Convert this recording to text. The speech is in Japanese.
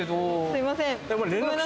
すいません。